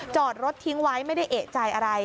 จอดรถทิ้งไว้ไม่ได้เอกใจอะไร